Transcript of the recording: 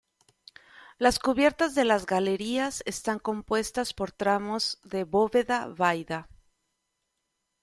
Las cubiertas de las galerías están compuestas por tramos de bóveda vaída.